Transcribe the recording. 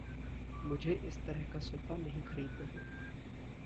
मुझे इस तरह का सोफ़ा नहीं खरीदना है।